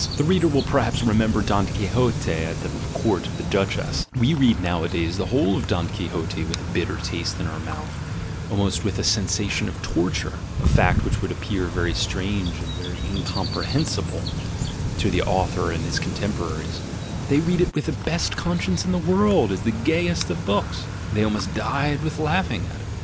(The reader will perhaps remember Don Quixote at the court of the Duchess: we read nowadavs the whole "GUILT" AND "BAD CONSCIENCE" 53 of Don Quixote with a bitter taste in the mouth, almost with a sensation of torture, a fact which would appear very strange and very incomprehensible to the author and his contemporaries — they read it with the best conscience in the world as the gayest of books; they almost died with laughing at it.)